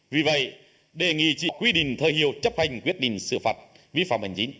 vì vậy đề nghị chỉ quy định thời hiệu chấp hành quyết định xử phạt vi phạm hành chính